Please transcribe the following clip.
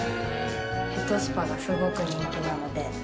ヘッドスパがすごく人気なので。